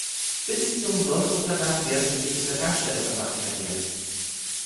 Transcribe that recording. Bis zum Sonnenuntergang werden sie sich in der Tankstelle verbarrikadieren.